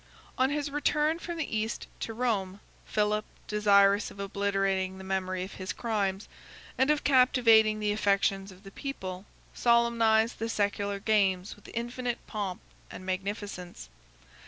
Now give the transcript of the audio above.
On his return from the East to Rome, Philip, desirous of obliterating the memory of his crimes, and of captivating the affections of the people, solemnized the secular games with infinite pomp and magnificence.